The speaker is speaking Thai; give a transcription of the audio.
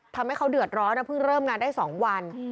ทำให้เขาเดือดร้อนนะเพิ่งเริ่มงานได้๒วัน